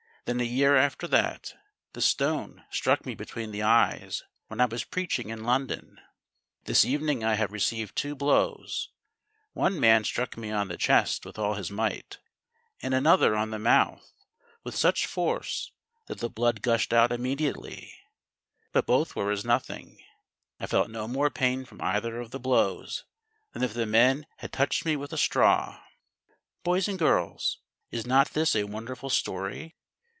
Then a year after that, the stone struck me between the eyes when I was preaching in London. This evening I have received two blows; one man struck me on the chest with all his might, and another on the mouth with such force that the blood gushed out immediately. But both were as nothing, I felt no more pain from either of the blows, than if the men had touched me with a straw." Boys and girls, is not this a wonderful story?